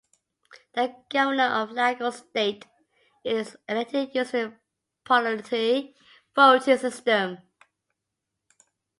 The Governor of Lagos State is elected using the plurality voting system.